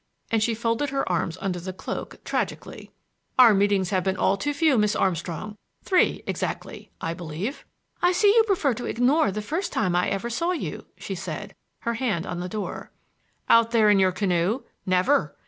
—and she folded her arms under the cloak tragically. "Our meetings have been all too few, Miss Armstrong. Three, exactly, I believe!" "I see you prefer to ignore the first time I ever saw you," she said, her hand on the door. "Out there in your canoe? Never!